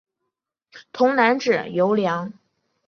童男者尤良。